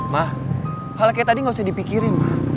ma hal kayak tadi gak usah dipikirin ma